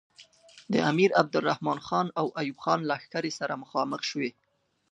د امیر عبدالرحمن خان او ایوب خان لښکرې سره مخامخ شوې.